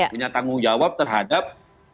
punya tanggung jawab terhadap